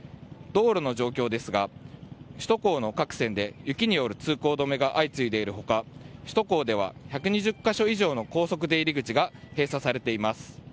道路の状況ですが首都高の各線で雪による通行止めが相次いでいる他首都高では１２０か所以上の高速出入り口が閉鎖されています。